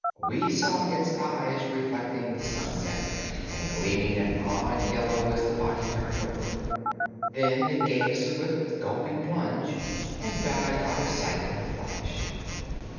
We saw its eyes reflecting the sunset, and gleaming an odd yellow as the body turned over. Then it gave a swift, gulping plunge, and dived out of sight in a flash.